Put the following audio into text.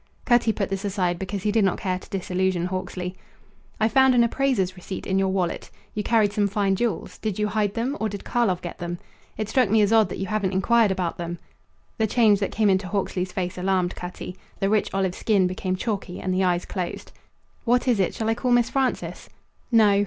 Cutty put this aside because he did not care to disillusion Hawksley. "I found an appraiser's receipt in your wallet. You carried some fine jewels. Did you hide them or did Karlov get them? It struck me as odd that you haven't inquired about them." The change that came into Hawksley's face alarmed Cutty. The rich olive skin became chalky and the eyes closed. "What is it? Shall I call Miss Frances?" "No."